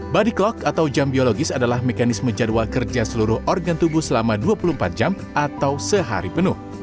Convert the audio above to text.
body clock atau jam biologis adalah mekanisme jadwal kerja seluruh organ tubuh selama dua puluh empat jam atau sehari penuh